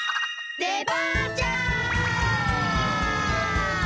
デパーチャー！